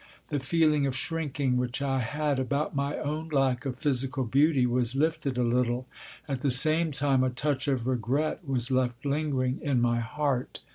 The feeling of shrinking, which I had about my own lack of physical beauty, was lifted a little; at the same time a touch of regret was left lingering in my heart.